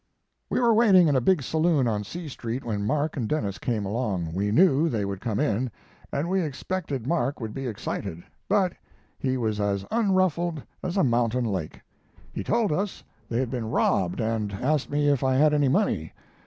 "We were waiting in a big saloon on C Street when Mark and Denis came along. We knew they would come in, and we expected Mark would be excited; but he was as unruffled as a mountain lake. He told us they had been robbed, and asked me if I had any money.